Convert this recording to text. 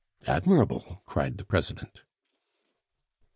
"Admirable!" cried the President.